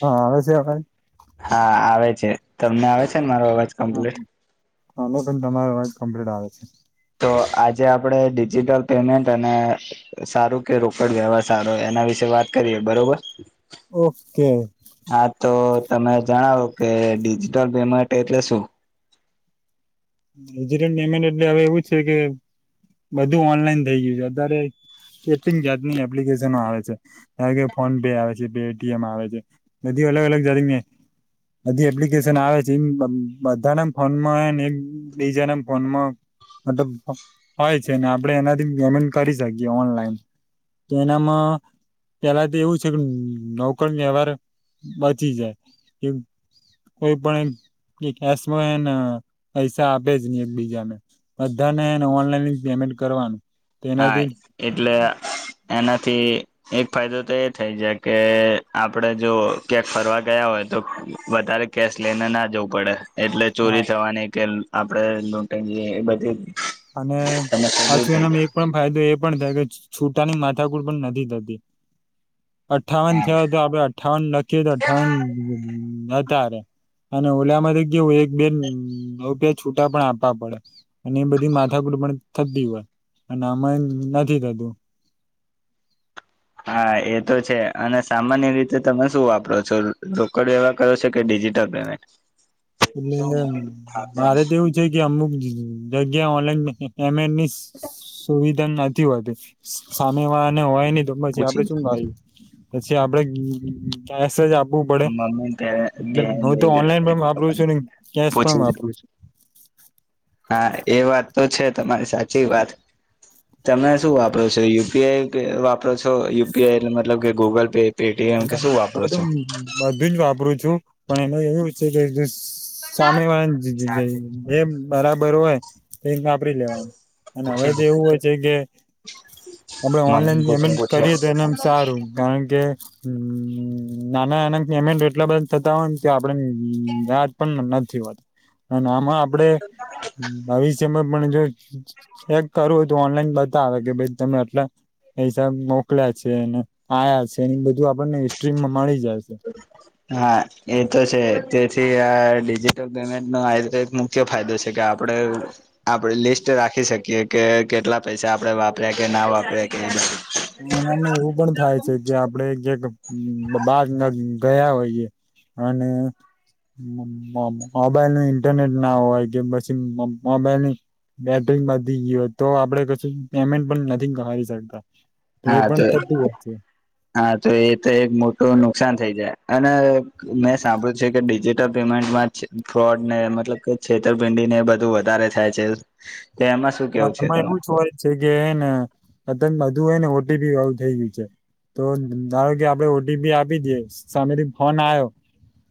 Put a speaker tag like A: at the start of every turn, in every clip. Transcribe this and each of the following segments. A: હા આવે છે અવાજ?
B: હા આવે છે તમને આવે છે ને મારો અવાજ કમ્પ્લીટ?
A: મને પણ તમારો અવાજ કમ્પ્લીટ આવે છે.
B: તો આજે આપડે ડિજિટલ પેમેન્ટ અને સારું કે રોકડ વ્યવહાર સારો એ ના વિશે વાત કરીએ બરોબર?
A: ઓકે
B: હા તો તમે જણાવો કે ડિજિટલ પેમેન્ટ એટલે શું?
A: ડિજિટલ પેમેન્ટ એટલે હવે એવું છે કે બધું ઓનલાઈન થઈ ગયું છે અત્યારે કેટલી જાતની એપ્લિકેશનો આવે છે ધારો કે ફોન પે આવે છે પે ટી એમ આવે છે બધી અલગ-અલગ જાતની બધી એપ્લિકેશન આવે છે બધા ના ફોનમાં હેને બીજાના મ ફોનમાં મતલબ હોય છે ને આપણે એનાથી પેમેન્ટ કરી શકીએ ઓનલાઈન. તો એનામાં પેહલા તો એવું છે કે રોકડ વ્યવહાર બચી જાય. કોઈ પણ [unintelligible] આપે જ નહીં એક બીજાને બધાને હેને ઓનલાઈન જ પેમેન્ટ કરવાનું.
B: હા
A: તેનાથી
B: એટલે એનાથી એક ફાયદો તો એ થઈ જાય કે આપડે જો ક્યાંક ફરવા ગયા હોય તો વધારે કેશ લઈને ના જવું પડે. એટલે ચોરી થવાની કે આપણે લૂંટ એ બધી
A: અને
B: સમસ્યા દૂર
A: પાછું
B: થઈ જાય
A: એનામા એક પણ ફાયદો એ પણ થાય કે છૂટાની માથાકુટ પણ નથી થતી. અઠ્ઠાવન થયો હતો આપડે અઠ્ઠાવન લખીએ તો અઠ્ઠાવન હતારે અને ઓલામાં તો કેવું એક બેન રૂપિયા છૂટા પણ આપવા પડે અને એ બ માથાકુટ પણ થતી હોય અને આમાં નથી થતું.
B: હા એ તો છે અને સામાન્ય રીતે તમે શું વાપરો છો? રોકડ વ્યવહાર કરો છો કે ડિ ડિજિટલ પેમેન્ટ
A: એટલે મારે તો એવું છે કે અમુક જગ્યા ઓનલાઈન એમની સુવિધા નથી હોતી. સામે વાળા ને હોય નૈ તો પછી આપડે
B: પૂછી
A: શું મા. પછી આપડે કેશ જ આપવું પડે
B: મમ્મી બેન
A: એટલે હૂ તો
B: લઈ ગયો
A: ઓનલાઈન પણ
B: એટલે
A: આપું ન કેસ પણ
B: પૂછી
A: વાપરું છું.
B: હા એ વાત તો છે તમારી સાચી વાત. તમે શું વાપરો છો યુપીઆઈ વાપરો છો યુપીઆઈ એટ મતલબ કે ગૂગલ પે. પેટીએમ
A: એટલે
B: કે
A: હું
B: શું વાપરો
A: તો
B: છો
A: બધું જ વાપરું છું પણ એવું છે કે સામે વાળી એ
B: મમ્મી
A: બરાબર હોય. વાપરી લેવાનું અને હવે તો એવું હોય છે કે આપડે ઓનલાઈન
B: પૂછી
A: પેમેન્ટ
B: પૂછી
A: કરીએ તો એનેમ સારું કારણ કે હ નાના નાના પેમેન્ટ એટલા બધા થતા હોય ને તો આપડે યાદ પણ નથી વાત અને આમાં આપડે ભવિસ્ય પણ જો ચેક કરવું હોય તો ઓનલાઈન બતાવે કે ભાઈ તમે એટલા એિસાબ મોકલ્યા છે અને આયા છે એ બધું આપણને હિસ્ટ્રીમાં મળી જાય છે
B: હા એ તો છે તેથી ડિજિટલ પેમેન્ટ નો મુખ્ય ફાયદો છે કે આપડ આપ લિસ્ટ રાખી શકીએ કે કેટલા પૈસા આપડે વાપર્યા કે ના વાપર્યા કે.
A: એનામાં એવું પણ થાય છે કે આપડે ક્યાક બા ના ગયા હોય અને મોબાઈલ ન ઇન્ટરનેટ ના હોય કે પછી મોબાઈલની બેટરીંગ બી ગયયો હો તો આપડે કશું પેમેન્ટ પણ નથી કરીી શકતા. એ
B: હા
A: પણ
B: તો
A: થતું હોત છે.
B: હા તો એ તો એક મોટું નુકસાન થઈ જાય અને મેં સાંભળ્યું છે કે ડિજિટલ પેમેન્ટમાં ફ્રોડ ને મતલબ કે છેતરપિંડી ને બધું વધારે થાય છે તો એમાં શું કેવું
A: હ
B: છે
A: એમાં
B: તમારે
A: એવું જ હોય છે કે એને અતંત બુ હોને ઓટીપી વાળુ થઈ ગયું છે. તો ધારો કે આપડે ઓટીપી આપી દઈએ સામેથી ફોન આવ્યો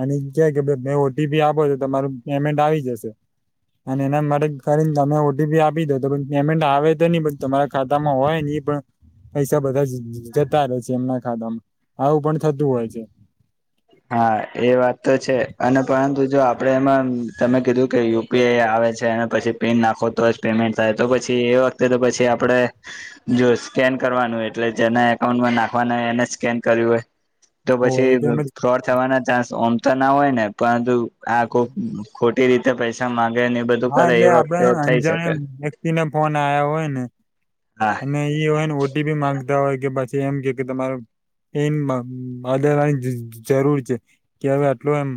A: અને ક્યા કે ભ મે ઓટીપી આપો છો તમારું પેમેન્ટ આવી જશે. અને એના માટે કરીને તમે ઓઢી બી આપ આપી દ તો પેમેન્ટ આવે તો નહી પણ તમારા ખાતામાં હોય ને એ પણ પૈસા બધા જ જતા રહે છે એમના ખાતામાં આવું પણ થતું હોય છે.
B: હા, એ વાત તો છે અને પરંતુ જો આપડે એમાં તમે કીધું કે યુપીઆઈ આવે છે અને પછી પિન નાખ તો જ પેમેન્ટ થાય તો પછી એ વખતે તો પછી આપડે જો સ્કેન કરવાનું એટલે જે એકાઉન્ટમાં નાખવાના એને સ્કેન કર્યું હોય
A: ઓ એ તો અમે
B: થ ચાન્સ ઓમ તો ના હોય ને પરંતુ આ ખોટી રીતે પૈસા માંગ
A: હા એટલે આપડે અંજાણ વ્યક્તિને ફોન આવ્યા હોય ને
B: હા
A: અને એઈ હોય ને ઓટીપી માંગતા હોય કે પછી એમ કે કે તમારે એમ આદરવાની જરૂર છે કે હવે આટલો એમ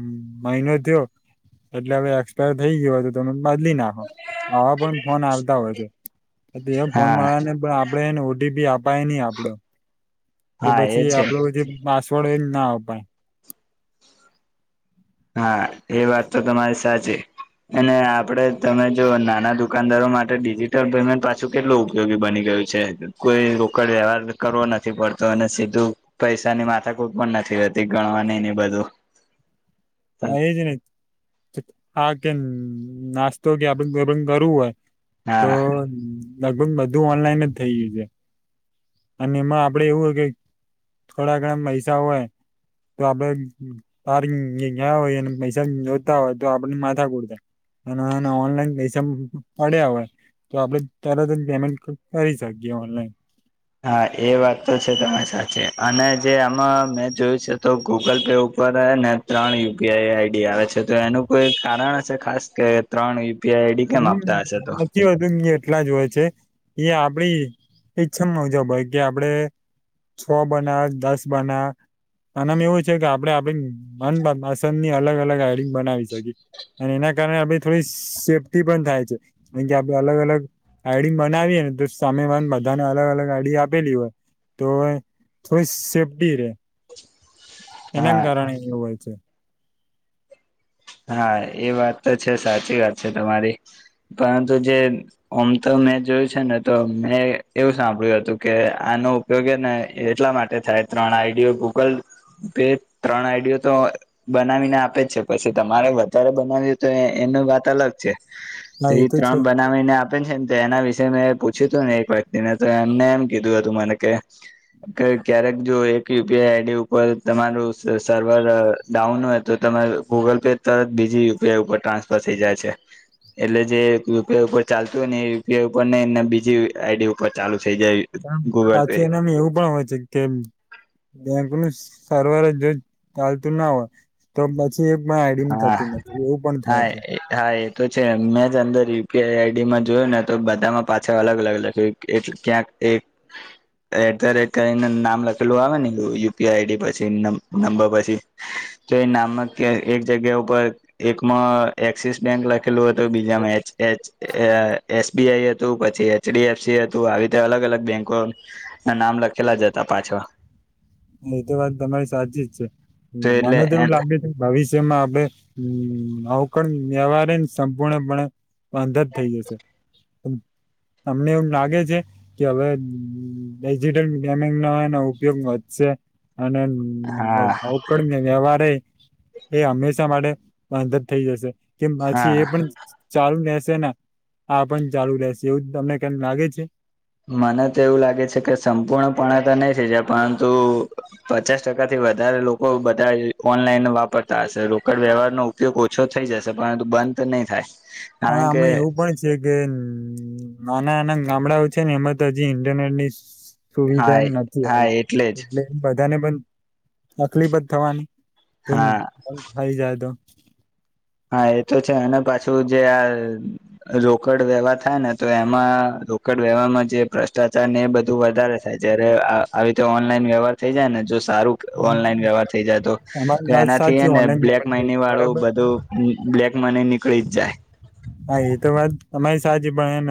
A: માયનો થયો એટલે હવે એક્સપાયર થઇ ગયો હતો તમને બદલી નાખો આવા પણ ફોન આવતા હોય છે એ ફોન
B: હા
A: મળવા પણ આપડે એને ઓટીપી અપાય નહી આપડો કે
B: હા એ
A: પછી
B: છે.
A: આપડો જે પાસવર્ડ હોય ના અપાય.
B: હા એ વાત તો તમારી સાચી. અને આપડે તમે જો નાના દુકાનદારો માટે ડિજિટલ પેમેન્ટ પાછું કેટલું ઉપયોગી બની ગય કોઈ રોકડ વ્યવહાર કરવો નથી પડતો અને સીધું પૈસાની માથા કોઈ પણ નથી હતી ગણવા ન ને બધું
A: હા એ જ નહી હા કે નાસ્તો કે આપડ કરવું હોય તો
B: હા
A: લગભગ બધું ઓનલાઈન જ થઈ ગયું છે. અને એમાં આપડે એવું હોય કે થોડા ઘણા પૈસા હોય. તો આપડે પાર ગયા હોય પૈસા જોતા હોય તો આપડણે માથા કુરતા. અને ઓનલાઈન પૈસા પડ્યા હવે. તો આપણેે તરત જ પેમેન્ટ કરી શકીએ ઓનલાઈન.
B: હા એ વાત તો છે તમારી સાથે અને જે આમાં મેં જોયું છે તો ગૂગલ પે ઉપર ને ત્રણ યુપીઆઈ આઈડી આવે છે તો એનું કોઈ કારણ હ છે ખાસ કે ત્રણ યુપીઆઈ આઈડી કેમ
A: હમ ન
B: આપતા હશે તો
A: વધુ એટલા જ હોય છે? એ આપડી ઈચ્છમ મુજબ હોય કે આપડે છ બના દસ બના આમ એવું છે કે આપડે આપ મન પસંદની અલગ અલગ હડિંગ બનાવી શકીએ. અને એના કારણે આપડી થોડી સેફ્ટી પણ થાય છે કાર કે આપણે અલગ અલગ આાડી બનાવીએ ને તો સામે વા બધાને અલગ અલગ આાડી આપેલી વ તો થોડી સેફ્ટી રે. એના
B: હા
A: કારણે એવું હોય છે.
B: હા એ વાત તો છે, સાચી વાત છે, તમારી પરંતુ જે ઓમ તો મેં જોયું છે, ને તો મેં એવું સાંભળ્યું હતું કે આનો ઉપયોગ એ ને એટલા માટે થાય. ત્રણ આઈડીઓ ગૂગલ પે ત્રણ આઈડીઓ તો બનાવીને આપે જ છે, પછી તમારે વધારે બનાવ્યું તો એનું વાત અલગ છે, તો એ ત્રણ બનાવીને આપે છે, એમ તો એના વિશે મેં પૂછ્યું હતું ને એક વ્યક્તિને તો એમને એમ કીધું હતું મને કે ક્યારેક જો યુપીઆઈ આઈડી ઉપર તમારું સર્વર ડાઉન હોય તો તમારૂં ગૂગલ તરત બીજી યુપીઆઈ ઉપર ટ્રાન્સફર થઈ જાય છે. એટલે જે યુપીઆઈ ઉપર ચાલતું હોય ને એયુપીઆઈ ઉપર ને એ બીજી આઈડી ઉપર ચાલુ થઈ જાય ગૂગલ પે
A: પાછું એનામાં એવું પણ હોય છે, કે સારવાર જો ચાલતું ના હોય તો પછી એક આઈડી થતી
B: હા
A: થતું એવું પણ થાય
B: હા
A: છે.
B: હા એ તો છે મેં જ અંદર યુપીઆઈ આઈડીમાં જોયું ને, તો બધામાં પાછા અલગ અલગ લખ્યું એટ ક્યાંક એક એટ ધ રેટ કરીને નામ લખેલું આવે ને યુપીઆઈ આઈડી પછી, નંબર પછી તો એ નામક એક જગ્યા ઉપર એકમાં એક્સિસ બેંક લખી. પહેલું હતું બીજા એ એ એસબીઆઈ હતું પછી એચડી એફ છે ‌આવી રીતે અલગ અલગ બેંકો ના નામ લખેલા જ હતા પાછા.
A: એતો વાત તમારી સાચી જ છે, મને તો એવું લાગે છે કે ભવિષ્ય જેમાં આપણે અવકણ વ્યહરેને સંપૂર્ણપણે અંધ જ થઇ જશે. તમને એવું લાગે છે, કે હવે ડિજીટલ ગેમિંગ ના એ ઉપયોગ અને
B: હા
A: ભકડ વ્યવહાર એ હંમેશા માટે અંદર થઇ જશે કે, પછી
B: હા
A: એ પણ ચાલુ ને આ પણ ચાલુ રહેેશે એવું તમને કેમ લાગે છે.
B: મને તો એવું લાગે છે કે સંપૂર્ણપણે તો નહી થ‍ઈ‌ જાય પરંતુ પચાસ ટકા થી વધારે લોકો બધા ઓનલાઈન વાપરતા હશે રોકડ વ્યવહાર નો ઉપયોગ ઓછો થઈ જશે પરંતુ અત્યારે તો નહી થાય.
A: અને
B: કારણ કે
A: અમે એવું પણ છએ કે નાના નાના ગામડાઓ છે ને એમાં તો હજી ઇન્ટરનેટ ની
B: હા
A: સુવિધા નથી
B: હા
A: આવી,
B: જ
A: એટલે એ બધાને પણ તકલીફ જ થવાનીમ
B: હા
A: થઇ જાય તો.
B: હા એ તો છે, અને પાછું જે આ રોકડ વ્યવહારો થાય ને તો એમાં રોકડ વ્યહારમાં જે ભ્રષ્ટાચાર ને એ બધું વધારે થાય જયારે આવી રીતે ઓનલાઈન વ્યવહાર થઈ જાય ને જોઈ. સારું ઓનલાઈન વ્યવહાર થઇ જાયતો
A: તમારી
B: તો
A: વાત
B: એનાથી
A: સાચી
B: ને
A: ઓનલાઈન
B: બ્લેક
A: પેમેન્ટ થઈ
B: મની
A: જાય
B: વાળું
A: બરાબર
B: બધું બ્લેક મની નીકળી જ જાય.
A: હા એ તો તમારી સાચી પણ એન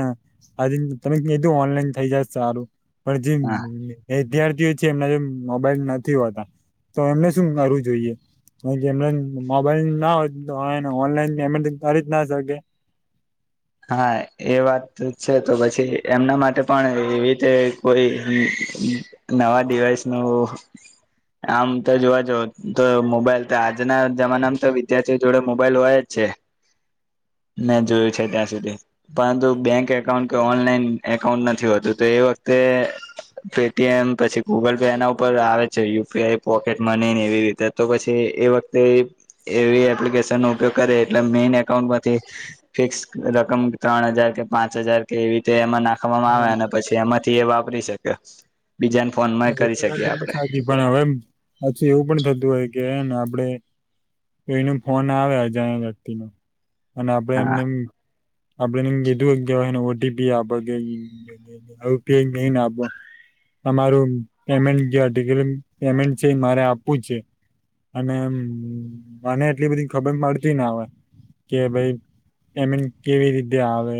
A: આજ તમે એધું ઓનલાઈન થઈ જ સારું પણ
B: હા
A: જે વિદ્યાર્થીઓ છે એમના જે મોબાઈલ નથી હોતા તો એમને શું કરવું જોઈએ. જેમ મોબાઈલ ના હોય ઓનલાઈન પેમેન્ટ કરી જ ના શકે
B: હા એ વાત છે તો પછી એમના માટે પણ એવી રીતે કોઈ નવા ડીવાઈસ નું આમ તો જોવા જ તો મોબાઈલ તો આજના જમાનામાં તો વિદ્યાર્થીઓ જોડે મોબાઈલ હોય જ છે. મે જોયું છે ત્યાં પરંતુ બેંક એકાઉન્ટ કે ઓનલાઈન એકાઉન્ટ નથી હોતું તો એ વખતે પેટીએમ પછી ગૂગલ પે એના ઉપર આવે છે, યુપીઆઈ પોકેટ મની ને એવી રીતે તો પછી એ વખતે એવી એપ્લિકેશન નો ઉપયોગ કરે એટલે મેન એકાઉન્ટ માંથી ફિક્સ રકમ ત્રણ હજાર કે પાંચ હજાર કે એવી રીતે એમાં નાખવામાં આવે અને પછી એમાંથી એ કરી શકે બીજાને ફોનમાં
A: એલે
B: કરી
A: વાત
B: શકીએ આપડે
A: સાચી પણ હવે એમ પછી એવું પણ થતું હોય કે એમ આપડે કોઈનો ફોન આવે અજાણ્યા વ્યક્તિનો અને આપડે
B: હા
A: એમને એમ [inaudible] તમારું પેમેન્ટ જે પેમેન્ટ છે મારે આપવું છે અને મને એટલી બધી ખબર પડતી ના હોય કે ભાઈ પેમેન્ટ કેવી રીતે આવે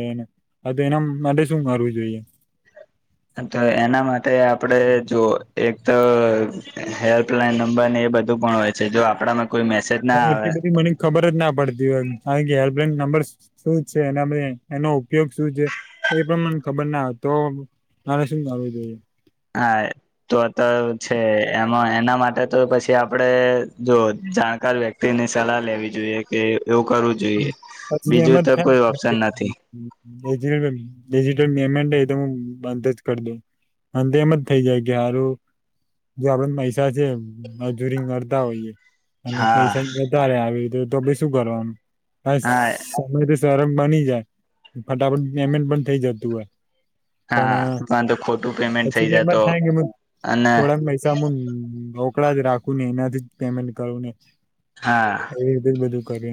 A: તો એના માટે શું કરવું જોઈએ
B: હ તો એના માટે આપડે જો એક તો હેલ્પલાઈન નંબર ને એ બધું પણ હોય છે જો આપણામાં કોઈ મેસેજ ના
A: પણ એટલી
B: આવે
A: બધી મને ખબર જ ના પડતી હોય હેલ્ એનો ઉપયોગ શું છે એ પણ મને ખબર ના તો મારે શું કરવું જોઈએ
B: હા તો તો છે એમાં એના માટે તો પછી આપડે જો જાણકાર વ્યક્તિ ની સલાહ લેવી જોઈએ કે એવું કરવું જોઈએ
A: પછી એમ
B: બીજું તો કોઈ ઓપ્શન નથી
A: ડીટલ પેમેન્ટ એ તોું બંધ જ કરી દઉ અને તો એમ જ થઇ જાય કે હારું જો આપડ પૈસા છે મજૂરી કરતા હોઈએ અને
B: હા
A: પૈસા જતા રહ્યા તો બી શું કરવાનું
B: હા
A: સરમ બની જાય ફટાફટ પેમેન્ટ પણ થઇ જતું હોય
B: હા
A: પણ
B: પરંતુ ખોટું પેમેન્ટ થઈ
A: પછી
B: જાય
A: એમાં જ
B: તો
A: થાય
B: અને
A: થોડાક પૈસા કડા જ રાખું ને એનાથી પેમેન્ટ કરવું ને
B: હા
A: એવી રીતે જ બધું કર એ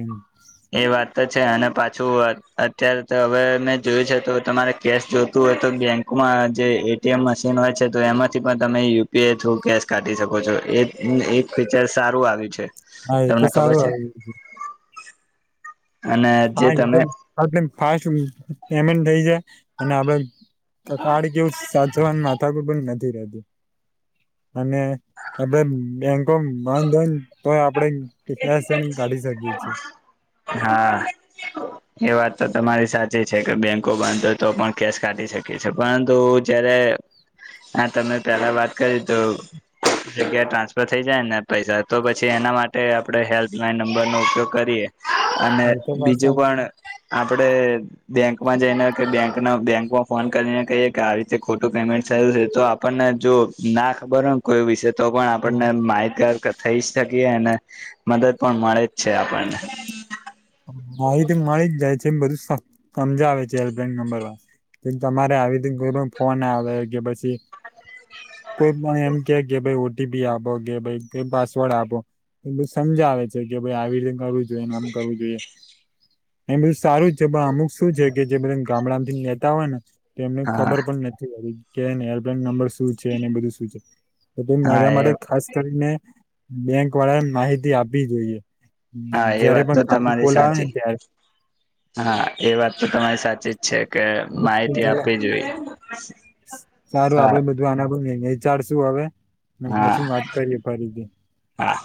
B: એ વાત તો છે અને પાછું અત્યારે તો હવે મેં જોયું છે તો તમારે કેશ જોતું હોય તો બેંકમાં જે એટીએમ મશીન હોય છે તો એમાંથી પણ તમે યુપીઆઈ થ્રુ કેશ કાઢી શકો છો એક એક ફીચર સારું આવ્યું છે
A: હા એ તો
B: તમને ખબર
A: સારું
B: છે
A: આવ્યું
B: અને
A: [inaudible]
B: જે તમે
A: પેમેન્ટ થઈ જાય અને આપડે કાર્ડ કે એવું સાચવવાની માથાકૂટ નથી રહેતી અને આપડે બેંકો બંધ હોય ને તોય આપડે કેશ લઈને કાઢી શકીએ છીએ
B: હા એ વાત તો તમારી સાચી છે કે બેંકો બંધ હોય તો પણ કેશ કાઢી શકીએ છે પરંતુ હ જયારે હા તમે પેલા વાત કરી તો જગ્યા ટ્રાન્સફર થઈ જાય ને પૈસા તો પછી એના માટે માટે આપણે હેલ્પલાઇન નંબરનો ઉપયોગ કરીએ અને
A: હા એ તો વાત
B: બીજું
A: સાચી
B: પણ આપ આપે બેંકમાં જઈને કે બેંક બેંક ફોન કરીને કહીએ કે આવી રીતે ખોટું પેમેન્ટ થયું છે તો આપણને જો ના ખબર હોયને કોઈ વિષ તો પણ આપણને માહિતગર થઈ જ શકીએ ને મદદ પણ મળે જ છે આપણને
A: માહતી તો મળી જ જાય છે એમ બધું સમજાવે છે હેલ્પલાઈન નંબર તમારે આવી ફોન આવે કે પછી કોઈ પણ એમ કે કે ભાઈ ઓટીપી આપો કે ભાઈ પાસવર્ડ આપો એ બધું સમજાવે છે કે ભાઈ આવી રીતે કરું આમ કરવું જોઈએ એ બધું સારું જ છે પણ અમુક શું છે કે જે ગામડા થી નેતા હોય ને તો એમને
B: હા
A: ખબર પણ નથી હો કે એરલાઈન નંબર શું છે અને બધું શું છે તો
B: હા
A: મારા
B: એ
A: માટે ખાસ કરીને બેંક વાળાને માહિતી આપવી જોઈએ જયારે પણ ખા
B: રી સાચી હા એ વાત તો તમારી સાચી જ છે કે માહિતી
A: ચલા
B: આપવી જોઈએ
A: સારું
B: હા
A: આપડે બધું આનાું વિચારશું હવે
B: હા
A: પછી વાત કરી ફરીથી
B: હા